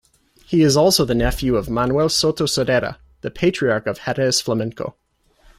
He is also the nephew of Manuel Soto Sordera, the patriarch of Jerez flamenco.